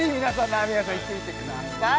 ラーメン屋さん行ってみてください